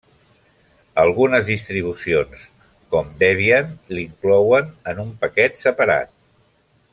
Algunes distribucions, com el Debian, l'inclouen en un paquet separat.